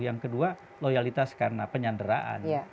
yang kedua loyalitas karena penyanderaan